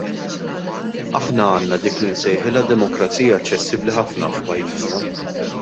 Aħna għandna dik li nsejħilha demokrazija aċċessibbli ħafna f'pajjiżna.